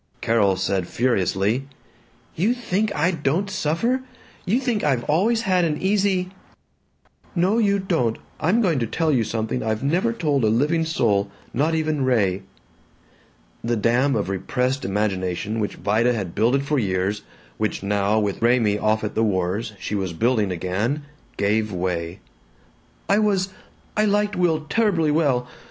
Carol said furiously, "You think I don't suffer? You think I've always had an easy " "No, you don't. I'm going to tell you something I've never told a living soul, not even Ray." The dam of repressed imagination which Vida had builded for years, which now, with Raymie off at the wars, she was building again, gave way. "I was I liked Will terribly well.